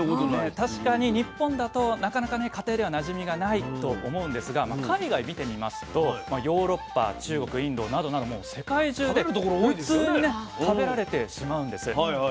確かに日本だとなかなかね家庭ではなじみがないと思うんですが海外見てみますとヨーロッパ中国インドなどなど世界中で普通にね食べられてしまうんです。